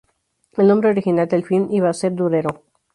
El nombre original del film iba a ser "Durero".